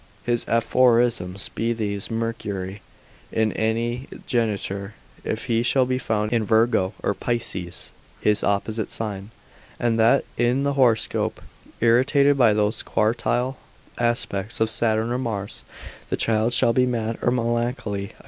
His aphorisms be these, Mercury in any geniture, if he shall be found in Virgo, or Pisces his opposite sign, and that in the horoscope, irradiated by those quartile aspects of Saturn or Mars, the child shall be mad or melancholy.